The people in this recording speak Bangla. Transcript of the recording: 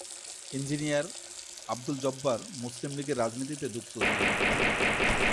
ইঞ্জিনিয়ার আবদুল জব্বার মুসলিম লীগের রাজনীতিতে যুক্ত ছিলেন।